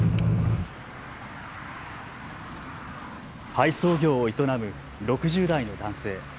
配送業を営む６０代の男性。